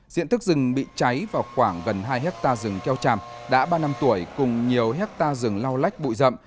diện thức rừng bị cháy vào khoảng gần hai hectare rừng keo tràm đã ba năm tuổi cùng nhiều hectare rừng lau lách bụi rậm